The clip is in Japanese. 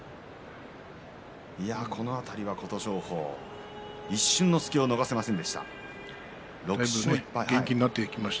この辺り琴勝峰一瞬のすきを逃しませんでした。